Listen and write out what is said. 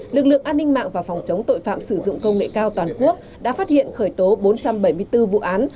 lực lượng an ninh mạng và phòng chống tội phạm sử dụng công nghệ cao toàn quốc đã phát hiện khởi tố bốn trăm bảy mươi bốn vụ án